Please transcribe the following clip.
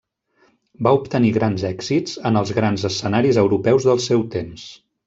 Va obtenir grans èxits en els grans escenaris europeus del seu temps.